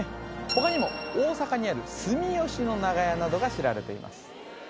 他にも大阪にある住吉の長屋などが知られています